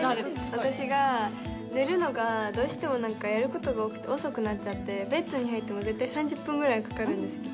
私が寝るのが、どうしてもなんかやることが多くて、遅くなっちゃって、ベッドに入っても、絶対、３０分ぐらいかかるんですよ。